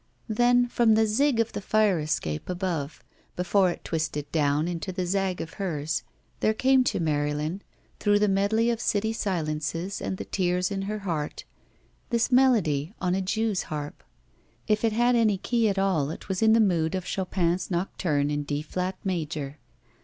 Then from the zig of the fire escape above, before J40 THE VERTICAL CITY it twisted down into the zag of hers, there came to Marylin, through the medley of city silences and the tears in her heart, this melody, on a jew's harp : If it had any key at all, it was in the mood of Chopin's Nocturne in D flat major.